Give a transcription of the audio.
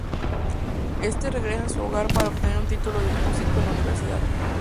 Este regresa a su hogar para obtener un título de músico en la universidad.